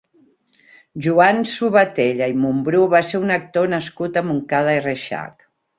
Joan Subatella i Mumbrú va ser un actor nascut a Montcada i Reixac.